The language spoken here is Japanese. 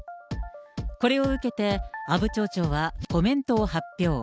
これを受けて、阿武町長はコメントを発表。